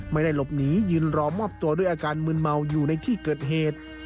ไม่ได้หลบหนียืนรอมอบตัวด้วยอาการมืนเมาอยู่ในที่เกิดเหตุ